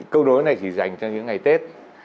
câu đối này chỉ dành cho những ngày tết